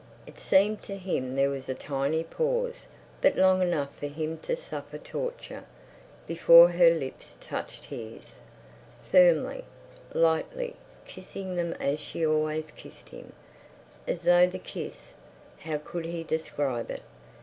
It seemed to him there was a tiny pause—but long enough for him to suffer torture—before her lips touched his, firmly, lightly—kissing them as she always kissed him, as though the kiss—how could he describe it?